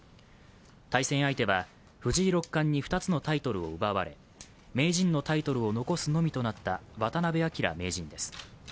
対戦相手は藤井六冠に２つのタイトルを奪われ名人のタイトルを残すのみとなった渡辺明名人です。